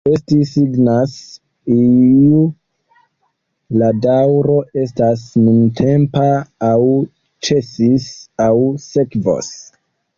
Esti signas, iu la daŭro estas nuntempa, aŭ ĉesis, aŭ sekvos.